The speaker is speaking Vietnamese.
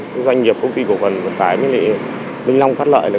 các doanh nghiệp công ty cổ quần vận tải bình long khát lợi